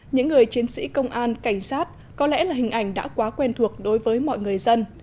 những người chiến sĩ công an cảnh sát có lẽ là hình ảnh đã quá quen thuộc đối với mọi người dân